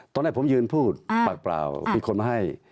ตอนแรกผมยืนพูดปากเปล่ามีคนมาให้